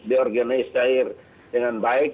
di organisir dengan baik